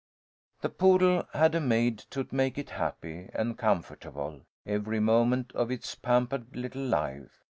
The poodle had a maid to make it happy and comfortable, every moment of its pampered little life.